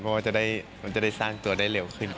เพราะว่ามันจะได้สร้างตัวได้เร็วขึ้น